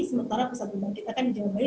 sementara pusat beban kita kan di jawa bali